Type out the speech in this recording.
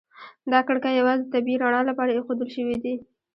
دا کړکۍ یوازې د طبیعي رڼا لپاره ایښودل شوي دي.